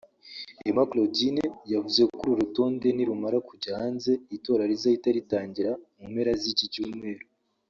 Emma Claudine yavuze ko uru rutonde nirumara kujya hanze itora rizahita ritangira mu mpera z’iki cyumweru